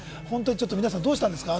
皆さん、どうしたんですか？